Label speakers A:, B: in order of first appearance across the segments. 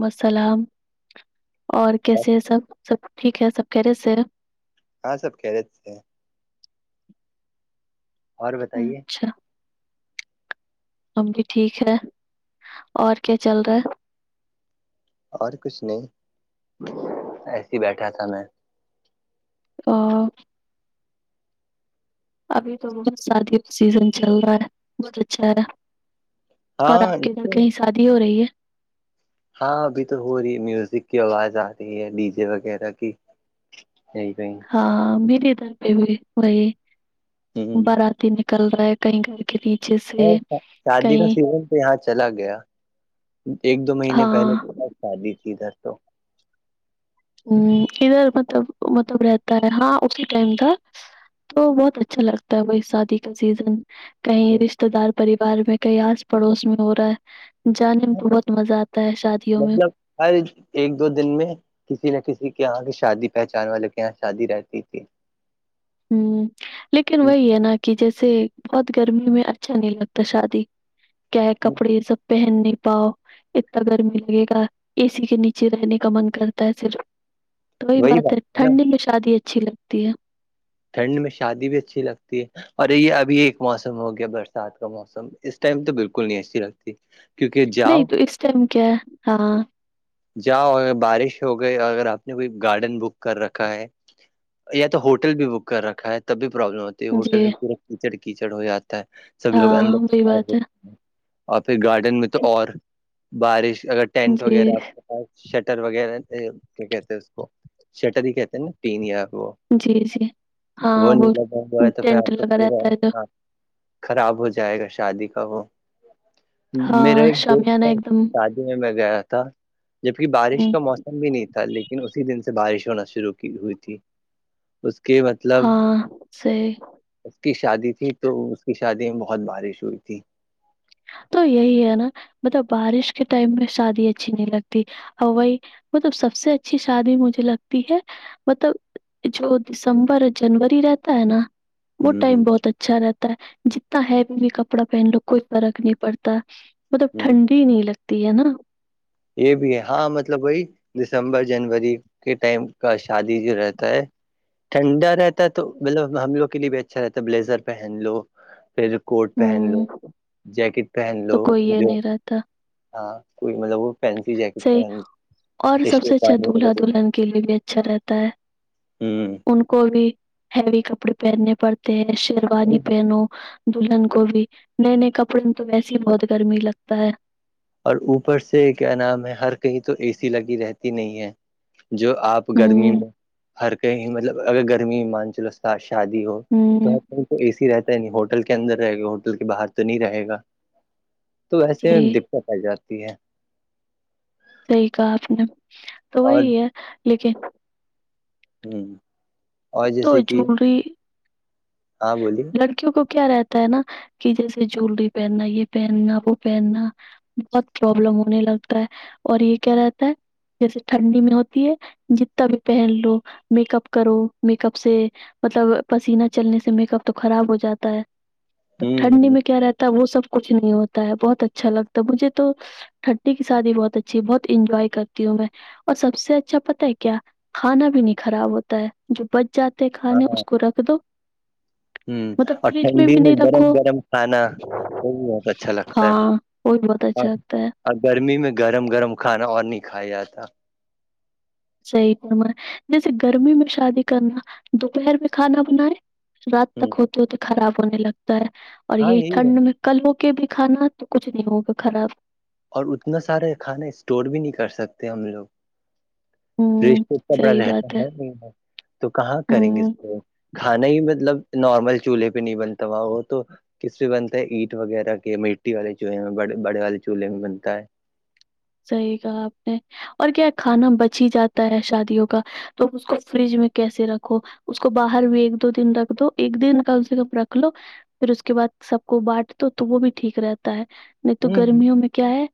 A: وسلام اور کیسے ہے سب سب ٹھیک ہے سب کہہ رہے سر
B: ہاں سب کہہ رہے تھ اور بتائیے
A: اچھا ہم بھی ٹھیک ہے اور کیا چل رہا ہے
B: اور کچھ نہیں ایسے ہی بیٹھا تھا میں
A: آ ابھی تو بہت شادی کا سیزن چل رہا ہے بہت اچھا رہا اور
B: ہاں
A: آپ کے گھر کہیں شادی ہو رہی ہے
B: ہاں ابھی تو ہو رہی ہے میوزک کی آواز آ رہی ہے ڈی جے وغیرہ کی یہ تو
A: ہاں مری ادھر پ ہوئی وہی باراتی نکل رہا ہے کہیں کہیں ریچس [unintelligible]
B: شادی کا سیزن تو یہاں چلا گیا ایک دو مہینے پہلے
A: ہاں
B: شادی ت در تو [unintelligible]
A: ہ ادھر مطلب مطلب رہتا ہے ہاں اسی ٹائم کا تو بہت اچھا لگتا ہے وہی شادی کا سیزن کہیں رشتے دار پریوار میں کہیں آس پڑوس میں ہو رہا ہے جانے میں بہت مزہ آتا ہے شادیوں میں
B: مطلب ہر ایک دو دن میں کسی نہ کسی کے یہاں کی شادی پہچان والوں کے یہاں شادی رہتی تھی
A: ہوں لیکن وہی ہے نا کہ جیسے بہت گرمی میں اچھا نہیں لگتا شادی کیا کپڑے سب پہن نہیں پاؤ اتنا گرمی لگے گا اے سی کے نیچے رہنے کا من کرتا ہے صرف توی بات ہے ٹھنڈی میں شادی اچھی لگتی ہے
B: ٹھنڈ میں شادی بھی اچھی لگتی ہے اورر یہ ابھی ایک موسم ہو گیا برسات کا موسم اس ٹائم تو بالکل نہیں اچھی لگتی کیونکہ جاؤ
A: نہیں تو اس ٹائم کیا ہاں
B: جاؤ بارش ہو گئی اگر آپ نے کوئی گارڈن بک کر رکھا ہے یا تو ہوٹل بھی بک کر رکھا ہے تب بھی پروابلم ہوتی ہے ہوٹل
A: جی
B: میں پورا کیچڑ کیچڑ ہو جاتا ہے سب لوگ اندر
A: ہاں وہی
B: آ
A: بات
B: ہیں
A: ہے
B: اور پھر گارڈن میں تو اور بارش اگر ٹینٹ
A: جی
B: وغیرہ آپ کا شٹر وغیرہ کیا کہتے ہیں اس کو شٹر ہی کہتے ہیں نا پین آپ وہ
A: جی جی [unintelligible]
B: وہ نہیں لگا ہوا ہے تو پھر
A: ٹینٹ
B: آپ کا
A: لگا رہتا ہے جو
B: پورا خراب ہو جائے گا شادی کا وہ میرا
A: ہاں
B: ایک دوست
A: شامیانہ
B: تھا
A: ایک دم
B: شادی میں میں گیا تھا جبک بارش
A: ہوں
B: کا موسم بھی نہیں تھا لیکن اسی دن سے بارش ہونا شروع کی ہوئی تھی کہ مطلب [unintelligible]
A: ہاں صحیح
B: اس کی شادی تھی تو اس کی شادی میں بہت بارش ہوئی تھی
A: تو یہی ہے نا مطلب بارش کے ٹائم میں شادی اچھی نہیں لگتی ائی مطلب سب سے اچھی شادی مجھے لگتی ہے مطلب جو دسمبر جنوری رہتا ہے نا وہ
B: ہوں
A: ٹائم بہت اچھا رہتا ہے جتنا ہیو بھی کپڑا پہن لو کو فرق نہیں پڑتا مطلب
B: ہ ہ
A: ٹھنڈی نہیں لگتی ہے نا
B: یہ بھی ہے ہاں مطلب بھائی دسمبر جنوری کے ٹائم کا شادی جو رہتا ہے ٹھنڈا رہتا ہے تو مطلب ہم لوگ کے لیے بھی اچھا رہتا ہے بلیزر پہن لو پھر کوٹ پہن لو
A: ہوں
B: جیکٹ پہن
A: تو
B: لو
A: کوئی یہ
B: جو
A: نہیں رہتا
B: ہاں کوئی مطلب وہ فسی
A: صحیح اور سب سے اچھا
B: جٹانی
A: دولہا
B: [unintelligible]
A: دلہن کے لیے بھی اچھا رہتا ہے
B: ہوں
A: ان کو بھی ہیوی کپڑے پہننے پڑتے ہیں شیروانی پہنو دلہن کو بھی نئے نئے کپڑے میں تو ویسے ہی بہت گرمی لگتا ہے
B: اور اوپر سے کیا نام ہے ہر کہیں تو اے سی لگی رہتی نہیں ہے جو آپ گرمی
A: ہوں
B: میں ہر کہیں مطلب اگر گرمی مان چلو اس کا شادی ہو تو
A: ہوں
B: تو اے سی رہتا ہے نہیں ہوٹل کے اندر رہے گا ہوٹل کے باہر تو نہیں رہے گا تو وسے میں
A: صحیح
B: دقت آ جاتی ہے [unintelligible]
A: صحی کہا آپ نے تو
B: اور
A: وہی ہے لیکن
B: ہوں [inaudible]
A: تو جی
B: ہاں بولیے
A: کیونک کیا رہتا ہے نا کہ جیسے جوولری پہننا یہ پہننا وہ پہننا بہت پرابلم ہونے لگتا ہے اور یہ کیا رہتا ہے جیسے ٹھنڈی میں ہوتی ہے جتنا بھی پہن لو میک اپ کرو میک اپ سے مطلب پسیینہ چلنے سے میک اپ تو خراب ہو جاتا ہے تو ٹھنڈی
B: ہ
A: میں کیا رہتا ہے وہ سب کچھ نہیں ہوتا ہے بہت اچھا لگتا ہے مجھے تو ھٹی کی شادی بہت اچھی ہے بہت انجوائے کرتی ہوں میں اور سب سے اچھا پتتا ہے کیا کھانا بھی نہیں خراب ہوتا ہے جو بچ جاتے
B: ہاں
A: کھانے
B: ہاں
A: اس کو رکھ دو
B: [inaudible] ہ
A: مطلب
B: اور
A: فریج
B: ٹھنڈی
A: بھی
B: میں
A: نہیں
B: گرم
A: رکھو
B: گرم کھانا وہ بھی بہت اچھا لگتا ہے
A: ہاں وہ بھی بہت اچھا لگتا ہے
B: اور گرمی میں گرم گرم کھانا اور نہیں کھایا جاتا
A: صحیح نما جیسے گرمی میں شادی کرنا دوپہر میں کھانا بنائے رات
B: ہ
A: تک ہوتی ہو تو خراب ہونے لگتا ہے اور یہی ٹھنڈ میں کل ہو کے بھی کھانا تو کچھ نہیں ہوگا خراب
B: اور اتنا سارا کھانا اسٹور بھی نہیں کر سکتے ہم لوگ فش
A: ہوں
B: کپڑا
A: صحیح
B: رہتا
A: بات
B: ہے نہیں ہے تو کہاں کریں گے اس
A: ہوں
B: کھانا ہی مطلب نارمل چولہے پہ نہیں بنتا ہوا وہ تو کس پ بنتا ہے اینٹ وغیرہ کے مٹی والے چولہے میں بڑے والے چولہے میں بنتا ہے
A: صحیح کہا آپ نے اور کیا کھانا بچی ہی جاتا ہے شادیوں کا تو اس کو فریج میں کیسے رکھو اس کو باہر بھی ایک دو دن رکھ دو ایک دن کم سے کم رکھ لو پھر اس کے بعد سب کو بانٹ دو تو وہ بھی ٹھیک رہتا ہے نہیں تو
B: ہوں
A: گرمیوں میں کیا ہے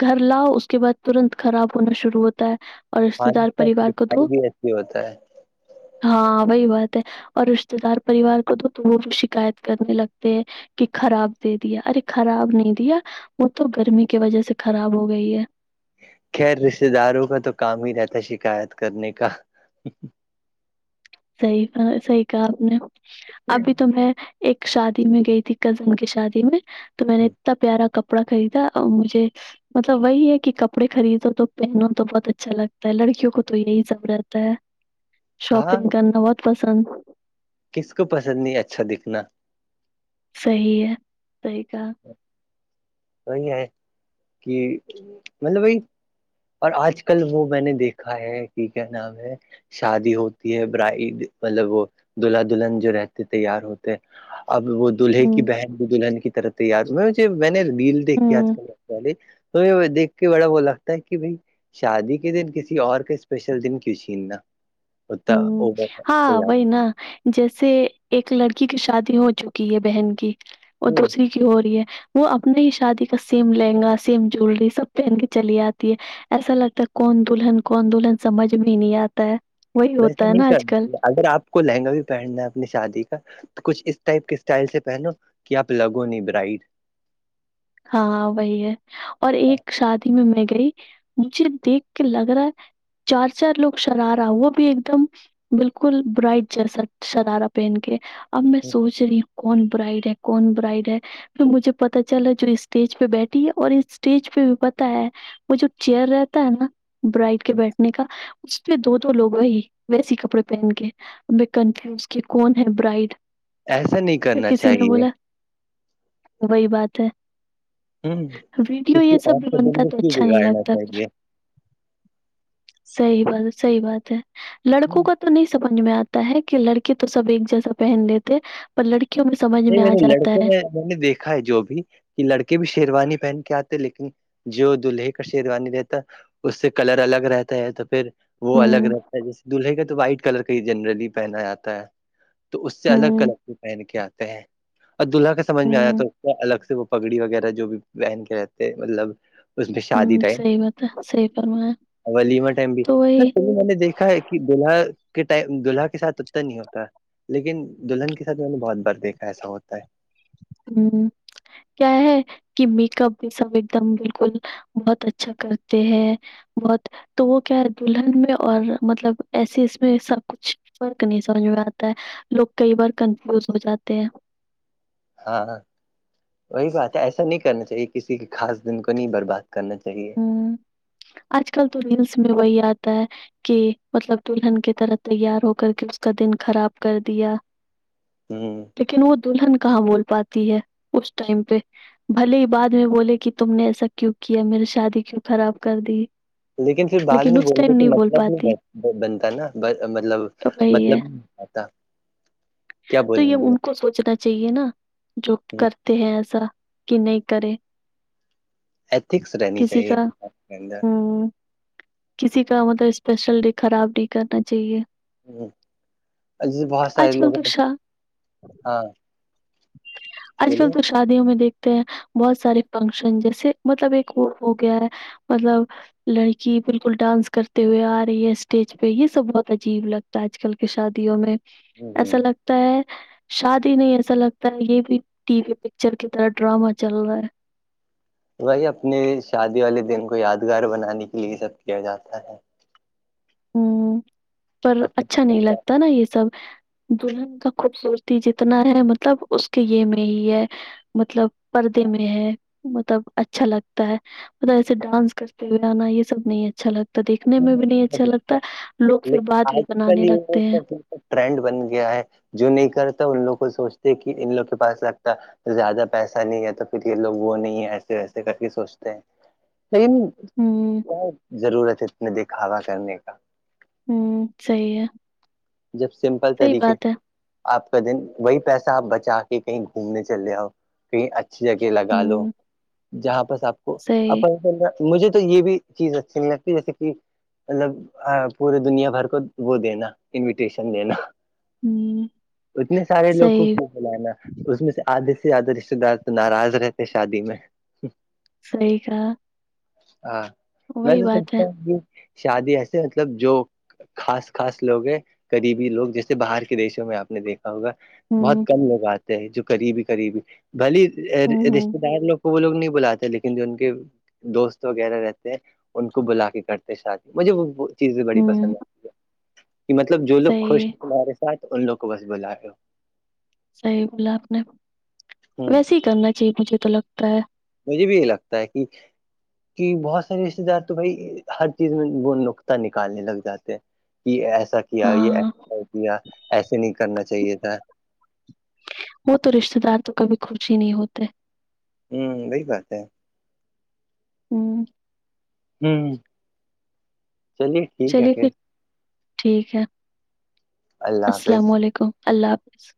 A: گھر لاؤ اس کے بعد ترنت خراب ہونا شروع ہوتا ہے اور رشتے
B: آج
A: دار
B: تک
A: پریوار کو
B: دکھائی
A: دو
B: بھی ایسے ہوتا ہے
A: ہاں وہی بات ہے اور رشتے دار پریوار کو تو تو وہ بھی شکایت کرنے لگتے ہیں کہ خراب دے دیا ارے خراب نہیں دیا وہ تو گرمی کی وجہ سے خراب ہو گئی ہے
B: خیر رشتے داروں کا تو کام ہی رہتا ہے شکایت کرنے کا
A: صحیح صحیح کہا آپ نے ابھی تو میں ایک شادی میں گئی تھی کزن کی شادی میں تو میں نے اتنا پیارا کپڑ کپڑا خریدا اور مجھے مطلب وہی ہے کہ کپڑے خریدو تو پہنو تو بہت اچھا لگتا ہے لڑکیوں کو تو یہی ضرورت ہے
B: ہاں
A: شاپنگ کرنا بہت پسند
B: کس کو پسند نہیں ہے اچھا دکھنا
A: صحیح ہے صحیح کہ
B: توی ہے کہ مطلب بی اور آج کل وہ میں نے دیکھا ہے کہ کیا نام ہے شادی ہوتی ہے برائی مطلب وہ دلہا دلہن جو رہتے تیار ہوتے اب وہ دلہے کی
A: ہوں
B: بہن بھی دلہن کی طرف تیارجھے میں نے ریل دیکھی
A: ہوں
B: آج کل ے تو دیکھ کے بڑا وہ لگتا ہے کہ بھائی شادی کے دن کسی اور کے اسپیشل دن کیوں چھیننا
A: ہ
B: ہوتا اوور
A: ہاں
B: تیار
A: بائی نا جیسے ایک لڑکی کی شادی ہو چکی ہے بہن کی اور
B: ہوں
A: دوسری ہو رہی ہے وہ اپنے ہی شادی کا سیم لہنگا سیم جولری سب پہن کے چلی آتی ہے ایسا لگتا ہے کون دلہن کون دلہن سمجھ میں ہی نہیں آتا ہے وہی
B: ویسا
A: ہوتا ہے
B: نہیں
A: نا آج کل
B: کر اگر آپ کو لہنگا بھی پہننا ہے اپنی شادی کا کچھ اس ٹائپ کے اسٹائل سے پہنو کہ آپ لگو نہیں برائڈ
A: ہاں وہی ہے اور ایک شادی میں میں گئی مجھے دیکھ کے لگ رہا چار چار لوگ شرارہ وہ بھی ایک دم بالکل برائٹ جیسا سدارا پہن کے اب میں سوچ رہی ہوں کون برائڈ ہے کون برائڈ ہے پھر مجھے پتا چلا جو اسٹیج پہ بیٹھی ہے اور اسٹیج پہ بھی پتا ہے وہ جو چیئر رہتا ہے نا برائڈ کے بیٹھنے کا اس میں دو دو لوگ ہی ویسی کپڑے پہن کےیں کنفیوز کے کون ہے برائڈ
B: ایسا نہیں
A: پھر
B: کرنا
A: کسی نے
B: چاہیے
A: بولا وہی بات ہے
B: ہوں
A: ویڈیو
B: کسی
A: یہ سب
B: اور
A: بھی
B: کا دن
A: بنتا
B: کو
A: تو
B: کیوں
A: اچھا نہیں
B: بگاڑنا
A: لگتا پھر
B: چاہیے
A: صحی بات صحی بات ہے لڑکوں
B: ہوں
A: کا تو تو نہیں سمجھ میں آتا ہے کہ لڑکی تو سب ایک جیسا پہن لیتے پر لڑکیوں میں سمجھ
B: نہیں
A: میں آ
B: نے
A: جاتا
B: لڑکوں
A: ہے
B: میں میں نے دیکھا ہے جو بھی کہ لڑکے بھی شیروانی پہن کے آتے لیکن جو دلہے کا شیروانی رہتا ہے اس سے کلر الگ رہتا ہے تو پھر وہ الگ
A: ہوں،
B: رہتا ہے جیسے دلہے کا تو وائٹ کلر کا ہی جنرلی پہنا جاتا ہے تو اس سے الگ
A: ہوں،
B: کلر کی پہن کے آتے ہیں اوربدلہ کا سمجھ میں آیا
A: ہوں،
B: تو اس الگ سے وہ پگڑی وغیرہ جو بھی بہن کے رہتے مطلب اس میں شادی
A: ہوں،
B: ٹائم
A: صحیح بات ہے، صحیح فرمایا۔
B: ولیمہ ٹائم بھی
A: تو
B: س
A: وہی
B: میں نے دیکھا ہے دلہا کے ٹم دلہا کے ساتھ اتنا نہیں ہوتا لیکن دلہن کے ساتھ میں نے بہت بر بےا ایسا ہوتا ہے
A: ہوں کیا ہے کہ میک اپ بھی سب ایک دم بالکل بہت اچھا کرتے ہیں بہت تو وہ کیا ہے دلہن میں اور مطلب ایسے اس میں سب کچھ فرق نہیں سمجھ میں آتا ہے لوگ کئی بار کنفیوز ہو جاتے ہیں
B: ہاںاں وہی بات ہے ایسا نہیں کرنا چاہیے کسی کے خاص دن کو نہیں برباد کرنا چاہیے
A: ہوں۔ آج کل تو ریلس میں وہی آتا ہے کہ مطلب دلہلہن کی طرح تیار ہو کر کے اس کا دن خراب کر دیا
B: ہوں
A: لیکن وہ دلہن کہاں بول پاتی ہے اس ٹائم پہ بھلے ہی بعد میں بولے کہ تم نے ایسا کیوں کیا میری شادی کیوں خراب کر دی
B: لیکن پھر بعد میں
A: اس ٹائم
B: بولنے کا
A: نہیں بول
B: مطلب
A: پاتی
B: نہیں بنتا نا مطلب
A: تو وہی ہے
B: مطلب نہیں پتا
A: تو یہ ان کو سوچنا چاہیے نا جو کرتے ہیں ایسا کہ نہیں کرے
B: ایتھکس رہنی
A: کسی
B: چاہیے
A: کا
B: کے اندر
A: ہم، کسی کا مطلب اسپیشل ڈے خراب نہیں کرنا چاہیے
B: ہ ج بہت سارے
A: آج کل
B: لوگ
A: تو
B: ہیں
A: شا
B: ہاں
A: اج کل
B: بولے
A: تو شادیوں میں دیکھتے ہیں بہت سارے فنکشن جیسے مطلب ایک وہ ہو گیا ہے مطلب لڑکی بالکل ڈانس کرتے ہوئے آ رہی ہے اسٹیج پہ یہ سب بہت عجیب لگ ہے آج کل کی شادیوں میں
B: ہ
A: ایسا
B: ہ
A: لگتا ہے شادی نہیں ایسا لگتا یہ بھی ٹی وی پکچر کی طرح ڈرامہ چل رہا ہے
B: بھائی اپنے شادی والے دن کو یادگار بنانے کے لیے یہ سب کیا جاتا ہے
A: ہوں پر اچھا
B: اپنا
A: نہیں لگتا نا یہ سب دلہن کا خوبصورتی جتنا ہے مطلب اس کے یہ میں ہی ہے مطلب پردے میں ہے مطلب اچھا لگتا ہے ایسے ڈانس کرتے ہوئے آنا یہ سب نہیں اچھا لگتا تو دیکھنے میں بھی نہیں اچھا لگتا ہے لوگ پھر
B: لیکن
A: بعد بھی
B: آج
A: بنانے
B: کل
A: لگتے
B: یہ
A: ہیں
B: ٹرینڈ بن گیا ہے جو نہیں کرتا ان لوگ کو سوچتے کہ ان لوگوں کے پاس لگتا زیادہ پیسہ نہیں ہے تو پھر یہ لوگ وہ نہیں ایسے ویسے کر کے سوچتے ہیں ل
A: ہوں [inaudible]
B: کیا ضرورت ہے اتنے دکھاوا کرنے کا
A: ہوں صی ہے [unintelligible]
B: جب سمپل
A: صحیح
B: طریقے
A: بات ہے
B: سے آپ کا دن وہی پیسہ آپ بچا کے کہیں گھومنے چل رہے ہو کہیں اچھی جگہ لگا لو
A: ہوں،
B: جہاں پرس آپ کو
A: صحیح
B: اپ مجھے تو یہ بھی چیز اچھی نہیں لگتی جیسے کہ مطلب پورے دنیا بھر کو وہ دینا انویٹیشن دینا
A: ہوں،
B: اتنے سارے لوگ کو
A: صحیح
B: کیا لانا اس میں سے آدھے سے زیادہ رشتے دار تو ناراض رہتے شادی میں
A: سی گ
B: ہاں میں تو
A: ہے
B: سچتا [unintelligible] شادی ایسے مطلب جو خاص خاص لوگ ہیں ریبی لوگ جیسے باہر کے دیشوں میں آپ نے دیکھا ہوگا بہت
A: ہوں،
B: کم لوگ آتے جو قریبی قریبی بھلی
A: ہوں، ہوں،
B: رشتے دار لوگ کو وہ لوگ نہیں بلاتے لیکن جو ان کے دوست وغیرہ رہتے ہیں ان کو بلا کے کرتے شادی مجھے وہ چیزیں بڑی
A: ہوں،
B: پسند ہے کہ مطلب جو لوگ
A: صحیح
B: خوش
A: ہے
B: ہیں تمہارے ساتھ ان لوگ کو بس بلا رہ ہو
A: صحیح بولا آپ نے
B: ہوں
A: ویسے ہی کرنا چاہیے مجھے تو لگتا ہے [unintelligible]
B: مجھے بھی یہ لگتا ہے کہ کہ بہت سارے رشتے دار تو بھائی ہر چیز میں وہ نقتہ نکالنے لگ جاتے ہیں کہ ایسا کیا
A: ہاں
B: یہ کیا ایسے نہیں کرنا چاہیے تھا
A: وہ تو رشتے دار تو کبھی خچش ہی نہیں ہوتے [unintelligible]
B: ہوں یہی بات ہے
A: ہوں
B: ہوں چلی [unintelligible]
A: چلیے پھر ٹھیک ہے
B: اللہ حافظ
A: السلام علیکم اللہ حافظ